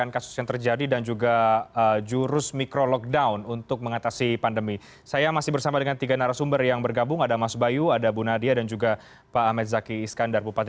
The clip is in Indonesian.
kami akan segera kembali